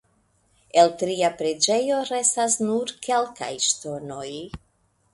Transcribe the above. El tria preĝejo restas nur kelkaj ŝtonoj.